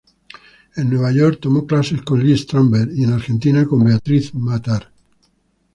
En Nueva York tomó clases con Lee Strasberg y, en Argentina, con Beatriz Matar.